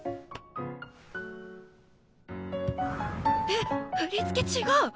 えっ振り付け違う。